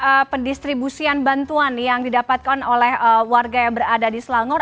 untuk pendistribusian bantuan yang didapatkan oleh warga yang berada di selangor